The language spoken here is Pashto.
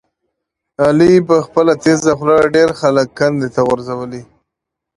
علي په خپله تېزه خوله ډېر خلک کندې ته غورځولي دي.